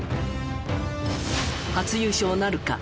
初優勝なるか？